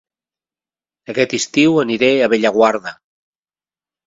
Aquest estiu aniré a Bellaguarda